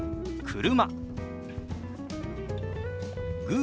「車」。